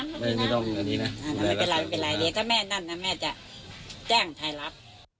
ไม่เป็นไรไม่เป็นไรถ้าแม่นั่นน่ะแม่จะแจ้งถ่ายรับ